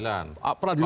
oh iya peradilan